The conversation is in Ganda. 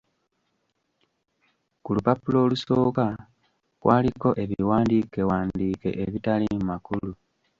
Ku lupapula olusooka kwaliko ebiwandiikewandiike ebitaliimu makulu.